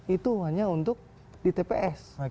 itu hanya untuk di tps